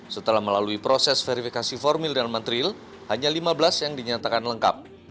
setelah melalui proses verifikasi formil dan material hanya lima belas yang dinyatakan lengkap